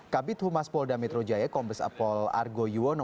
kabit humas polda metro jaya kombes apol argo yuwono